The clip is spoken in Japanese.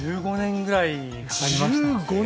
１５年ぐらいかかりました。